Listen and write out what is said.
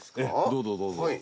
どうぞどうぞ。